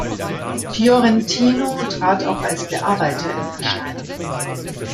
Fiorentino trat auch als Bearbeiter in Erscheinung.